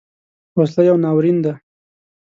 وسله یو ناورین دی